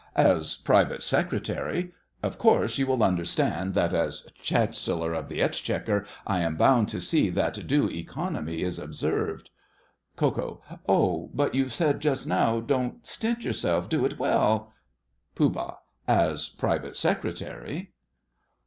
As Private Secretary. Of course you will understand that, as Chancellor of the Exchequer, I am bound to see that due economy is observed. KO. Oh! But you said just now "Don't stint yourself, do it well". POOH. As Private Secretary.